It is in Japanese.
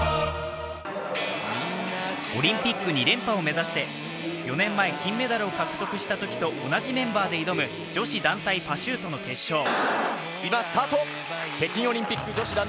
オリンピック２連覇を目指して４年前金メダルを獲得したときと同じメンバーで挑む女子団体パシュートの決勝。